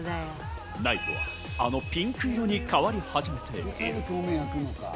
内部は、あのピンク色に変わり始めている。